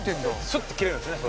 スッと切れるんですね